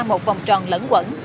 một vòng tròn lẫn quẩn